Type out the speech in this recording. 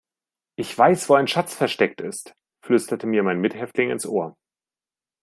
"Ich weiß, wo ein Schatz versteckt ist", flüsterte mir mein Mithäftling ins Ohr.